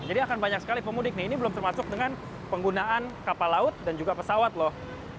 jadi akan banyak sekali pemudik nih ini belum termasuk dengan penggunaan kapal laut dan juga pesawat loh